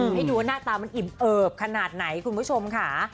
ให้ดูว่าหน้าตามันอิ่มเอิบขนาดไหนคุณผู้ชมค่ะ